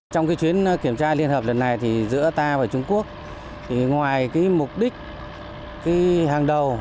trong chuyến kiểm tra liên hợp lần này thì giữa ta và trung quốc ngoài mục đích hàng đầu